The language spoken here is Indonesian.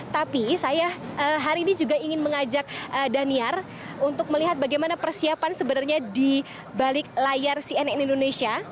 tapi saya hari ini juga ingin mengajak daniar untuk melihat bagaimana persiapan sebenarnya di balik layar cnn indonesia